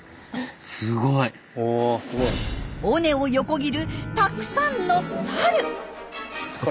尾根を横切るたくさんのサル！